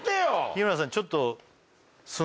日村さんちょっと何？